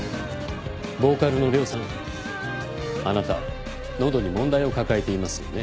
ボーカルのＲＹＯさんあなた喉に問題を抱えていますよね。